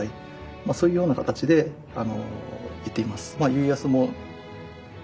まあそういうような形で言っています。